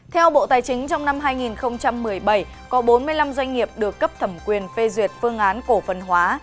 theo bộ tài chính trong năm hai nghìn một mươi bảy có bốn mươi năm doanh nghiệp được cấp thẩm quyền phê duyệt phương án cổ phần hóa